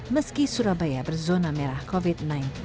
meski surabaya berzona merah covid sembilan belas